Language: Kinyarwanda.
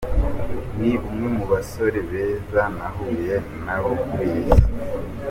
Ni umwe mu basore beza nahuye nabo kuri iyi si.